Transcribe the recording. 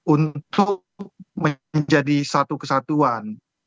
untuk menjadi satu kesatuan